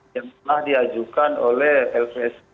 yang telah diajukan oleh lpsk